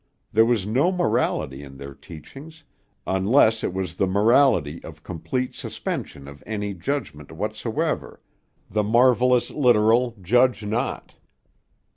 There was no morality in their teachings, unless it was the morality of complete suspension of any judgment whatsoever, the marvelous literal, "Judge not."